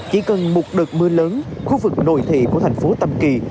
chỉ cần một đợt mưa lớn khu vực nội thị của thành phố tâm kỳ